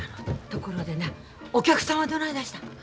ところでなお客さんはどないだした？